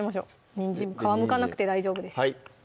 にんじんも皮むかなくて大丈夫です